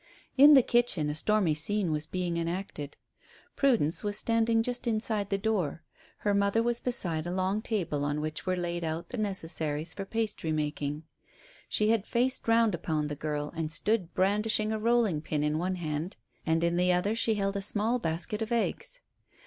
In the kitchen a stormy scene was being enacted. Prudence was standing just inside the door. Her mother was beside a long table on which were laid out the necessaries for pastry making. She had faced round upon the girl and stood brandishing a rolling pin in one hand, and in the other she held a small basket of eggs.